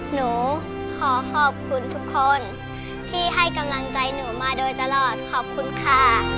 หนูขอขอบคุณทุกคนที่ให้กำลังใจหนูมาโดยตลอดขอบคุณค่ะ